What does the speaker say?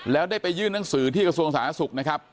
แล้วได้ไปยื่นหนังสือที่กระทรวงสหรัฐนักศึกนะครับ